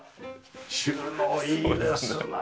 収納いいですねえ。